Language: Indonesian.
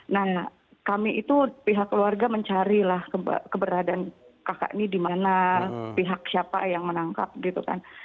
nah kami itu pihak keluarga mencari lah keberadaan kakak ini di mana pihak siapa yang menangkap gitu kan